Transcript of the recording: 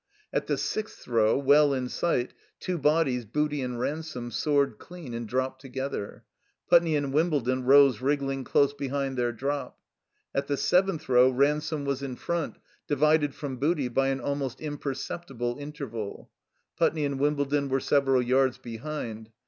At the sixth row, well in sight, two bodies, Booty and Ransome, soared clean and dropped together. Putney and Wimbledon rose wriggling close behind their drop. At the seventh row Ransome was in front, divided from Booty by an almost imperceptible interval. Putney and Wimbledon were several yards behind.